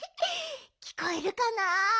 きこえるかな？